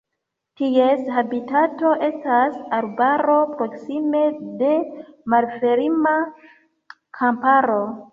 Ties habitato estas arbaro proksime de malferma kamparo.